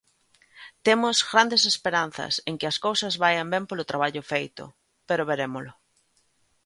Temos grandes esperanzas en que as cousas vaian ben polo traballo feito, pero verémolo.